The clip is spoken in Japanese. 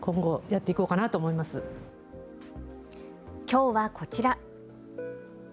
きょうはこちら。